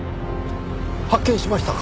発見しましたか。